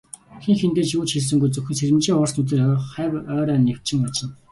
Хэн хэндээ юу ч хэлсэнгүй, зөвхөн сэрэмжийн хурц нүдээр хавь ойроо нэвчин ажна.